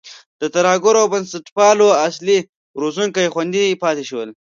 د ترهګرو او بنسټپالو اصلي روزونکي خوندي پاتې شول.